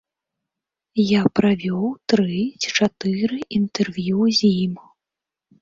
Я правёў тры ці чатыры інтэрв'ю з ім.